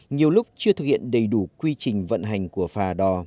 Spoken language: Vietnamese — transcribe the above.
nhiều lúc chưa thực hiện đầy đủ quy trình vận hành của phà đò